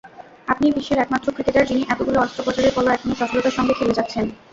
আপনিই বিশ্বের একমাত্র ক্রিকেটার, যিনি এতগুলো অস্ত্রোপচারের পরও এখনো সফলতার সঙ্গে খেলে যাচ্ছেন।